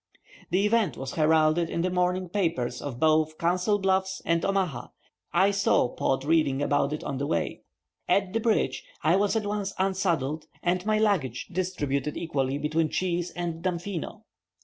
The event was heralded in the morning papers of both Council Bluffs and Omaha; I saw Pod reading about it on the way. At the bridge, I was at once unsaddled, and my luggage distributed equally between Cheese and Damfino.